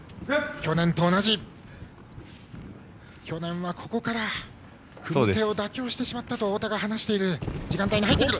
去年はここから組み手を妥協してしまったと太田が話している時間帯に入ってくる。